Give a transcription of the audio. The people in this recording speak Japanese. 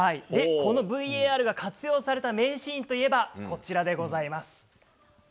このＶＡＲが活用された名シーンといえばこちらでございます。